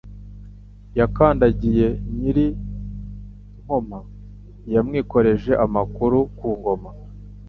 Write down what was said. Yakandagiye Nyir-i-Nkoma yamwikorereje Amukura ku ngoma.